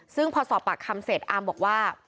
ซึ่งพอสอบปากคำเสร็จอามบอกว่า